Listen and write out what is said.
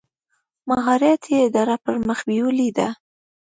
مهارت یې اداره پر مخ بېولې ده.